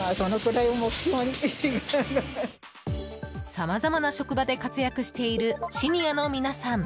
さまざまな職場で活躍しているシニアの皆さん。